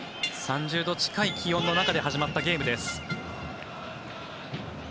３０度近い気温の中で始まったゲームです。